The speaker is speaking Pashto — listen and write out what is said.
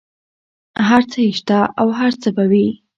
هر څه یې شته او هر څه به وي.